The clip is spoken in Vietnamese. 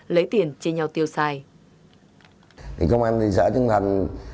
lấy tiền trên nhau tiêu chuẩn